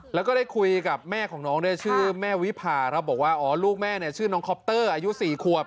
แล้วก็ได้คุยกับแม่ของน้องด้วยชื่อแม่วิพาครับบอกว่าอ๋อลูกแม่เนี่ยชื่อน้องคอปเตอร์อายุ๔ขวบ